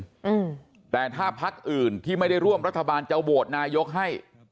แต่คงไม่ถึงแต่ถ้าภักดิ์อื่นที่ไม่ได้ร่วมรัฐบาลเจ้าโบสถ์นายกให้